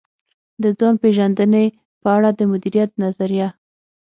د ځان پېژندنې په اړه د مديريت نظريه.